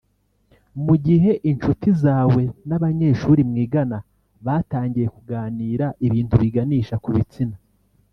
Mu gihe incuti zawe n’abanyeshuri mwigana batangiye kuganira ibintu biganisha ku bitsina